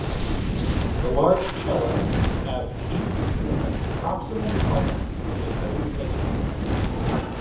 The large chela have teeth in the proximal part of the cutting edges.